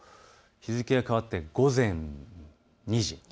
日付が変わって午前２時。